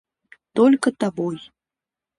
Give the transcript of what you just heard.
Только тобой.